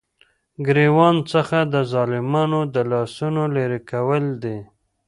ګريوان څخه دظالمانو دلاسونو ليري كول دي ،